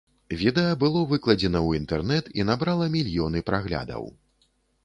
Відэа было выкладзена ў інтэрнэт і набрала мільёны праглядаў.